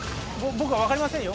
僕は分かりませんよ。